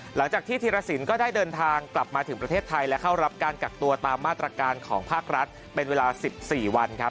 หลังจากที่ธีรสินก็ได้เดินทางกลับมาถึงประเทศไทยและเข้ารับการกักตัวตามมาตรการของภาครัฐเป็นเวลา๑๔วันครับ